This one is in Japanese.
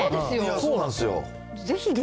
そうなんですよ。